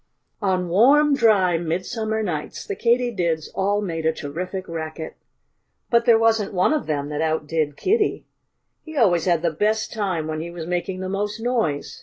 On warm, dry, midsummer nights the Katydids all made a terrific racket. But there wasn't one of them that outdid Kiddie. He always had the best time when he was making the most noise.